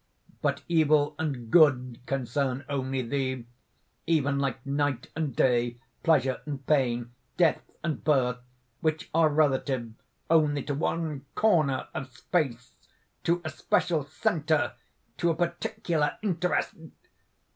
"But evil and good concern only thee even like night and day, pleasure and pain, death and birth, which are relative only to one corner of space, to a special centre, to a particular interest.